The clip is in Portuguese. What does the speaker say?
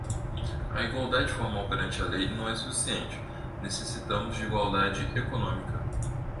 A igualdade formal perante a lei não é suficiente, necessitamos de igualdade econômica